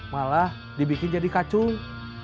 malah dibikin jadi kacung